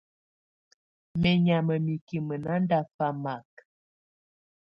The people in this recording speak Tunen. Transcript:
Menyama mikime nándafamak.